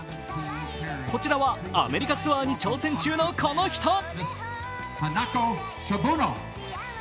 こちらはアメリカツアーに挑戦中のこの人。